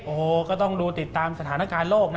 โอ้โหก็ต้องดูติดตามสถานการณ์โลกนะ